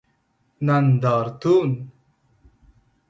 نندارتون